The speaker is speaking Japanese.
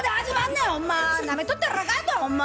なめとったらあかんでほんま。